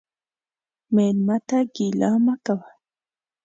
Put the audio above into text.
مېلمه ته ګیله مه کوه.